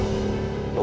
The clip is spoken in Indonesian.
lo bunuh siluman ular ini